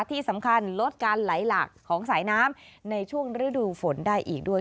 ที่สำคัญลดการไหลหลักของสายน้ำในช่วงฤดูฝนได้อีกด้วย